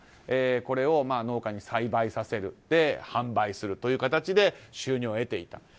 これを農家に栽培させて販売するという形で収入を得ていた。